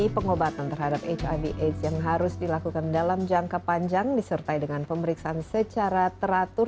pengobatan terhadap hiv aids yang harus dilakukan dalam jangka panjang disertai dengan pemeriksaan secara teratur